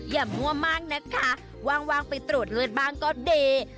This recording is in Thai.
อย่ามัวมั่งนะคะวางไปตรูดเลือดบางก็ดี